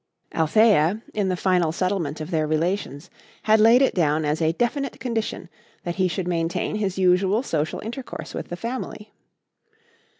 Althea, in the final settlement of their relations, had laid it down as a definite condition that he should maintain his usual social intercourse with the family.